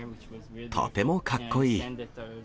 とてもかっこいい。